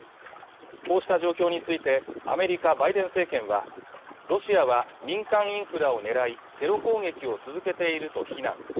こうした状況についてアメリカバイデン政権はロシアは民間インフラを狙いテロ攻撃を続けていると非難